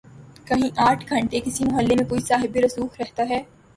کہیں آٹھ گھنٹے کسی محلے میں کوئی صاحب رسوخ رہتا ہے۔